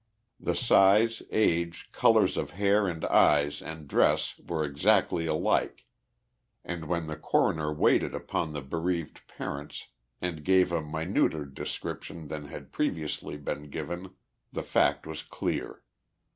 The size, age, colors of hair and eyes and dress were exactly alike, and, when the coroner waited upon the bereaved parents and gave a minuter description than hud previ ously been given, the fact was clear.